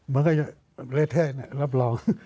มันก็จะเละเทะรับรอง